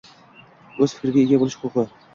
O‘z fikriga ega bo‘lish huquqi